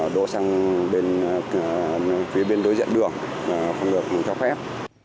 đỗ sang bên phía bên đối diện đường không được phép